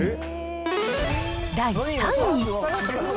第３位。